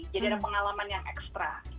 jadi ada pengalaman yang ekstra